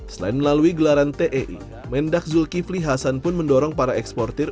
selain melalui gelaran tei mendak zulkifli hasan pun mendorong para eksportir